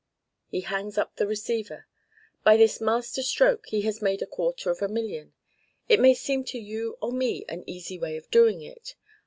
He hangs up the receiver. By this master stroke he has made a quarter of a million. It may seem to you or me an easy way of doing it.